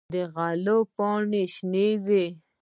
د غلو پاڼې شنه وي.